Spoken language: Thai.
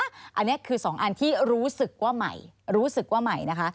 อันนี้คือสองอันที่รู้สึกว่าใหม่